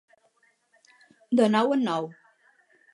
De nou en nou.